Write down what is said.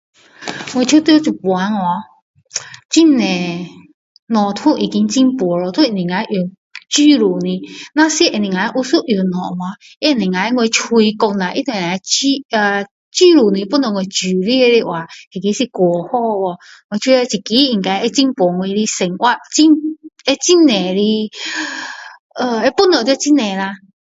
我觉得现在哦很多东西都已经进步了都能够用自动的若是能够有一个东西哦能够我嘴讲下能够自动的帮助我煮饭的话那个是太好了这个叻这个应该会进步我的生活会很多的会帮助到很多啦